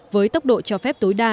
với tốc độ cho phép tối đa